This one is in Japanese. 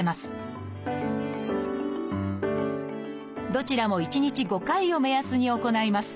どちらも１日５回を目安に行います